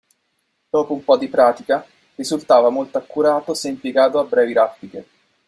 Dopo un po' di pratica, risultava molto accurato se impiegato a brevi raffiche.